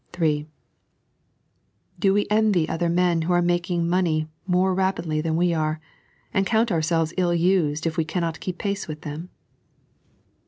(3) Do we envy other men who are making money more rapidly than we are, and count ourselvw ill used if we cannot keep pace with them